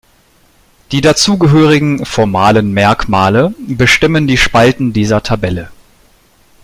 Die dazugehörigen "formalen Merkmale" bestimmen die Spalten dieser Tabelle.